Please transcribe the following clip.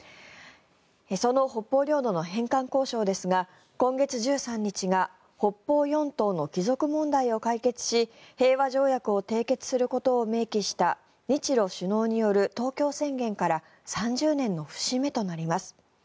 その北方領土の返還交渉ですが今月１３日が北方四島の帰属問題を解決し平和条約を締結することを明記した日露首脳による東京宣言から３０年の節目となります。